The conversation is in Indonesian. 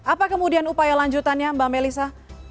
apa kemudian upaya lanjutannya mbak melisa